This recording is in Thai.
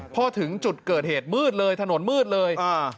พอถึงจุดเกิดเหตุมืดเลยถนนมืดเลย